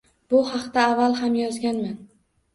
Bu haqida avval ham yozganman